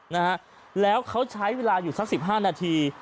นะฮะแล้วเขาใช้เวลาอยู่ซัก๑๕นาที